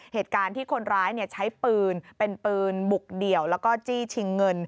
เหตุการณ์ที่คนร้ายใช้ปืนเป็นปืนบุกเดี่ยวแล้วก็จี้ชิงเงิน